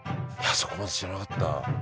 そこまで知らなかった。